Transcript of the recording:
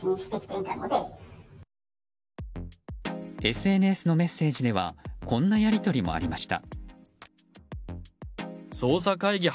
ＳＮＳのメッセージではこんなやり取りもありました。